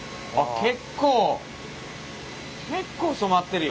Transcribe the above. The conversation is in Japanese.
結構結構染まってるよ。